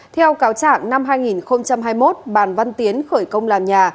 theo cáo trạng năm hai nghìn hai mươi một bàn văn tiến khởi công làm nhà